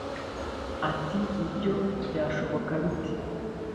Ati ibyo byashoboka bite